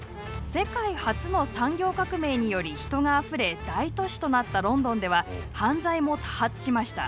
世界初の産業革命により人があふれ大都市となったロンドンでは犯罪も多発しました。